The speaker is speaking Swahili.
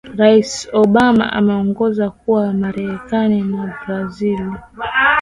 rais obama ameongeza kuwa marekani na brazil